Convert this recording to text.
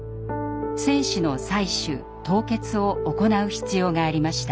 精子の採取・凍結を行う必要がありました。